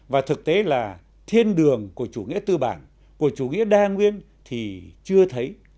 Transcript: và thực tế là thiên đường của chủ nghĩa tư bản của chủ nghĩa đa nguyên thì chưa thấy